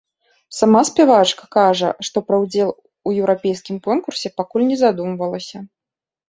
Сама спявачка кажа, што пра ўдзел у еўрапейскім конкурсе пакуль не задумвалася.